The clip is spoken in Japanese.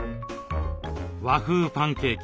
和風パンケーキ